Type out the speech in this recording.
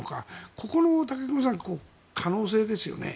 ここの武隈さん可能性ですよね